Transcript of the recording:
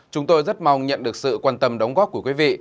chúng tôi rất mong nhận được sự quan tâm đóng góp của quý vị